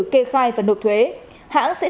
kê khoai và nộp thuế hãng sẽ